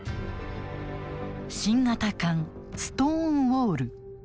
新型艦ストーンウォール。